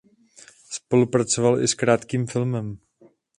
Spolupracoval i s Krátkým filmem.